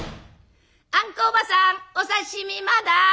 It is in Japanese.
「あんこおばさんお刺身まだ？